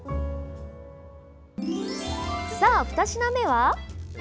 さあ、２品目は？